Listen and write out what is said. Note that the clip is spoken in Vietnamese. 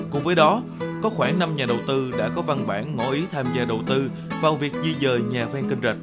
cùng với đó có khoảng năm nhà đầu tư đã có văn bản ngõ ý tham gia đầu tư vào việc di dời nhà vang kinh rạch